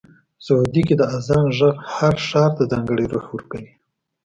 سعودي کې د اذان غږ هر ښار ته ځانګړی روح ورکوي.